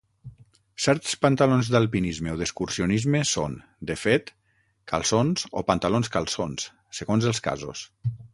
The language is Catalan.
Certs pantalons d'alpinisme o d'excursionisme són, de fet, calçons o pantalons-calçons, segons els casos.